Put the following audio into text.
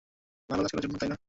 ভালো কাজ করার জন্য, তাই না?